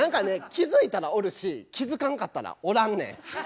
気付いたらおるし気付かんかったらおらんねん。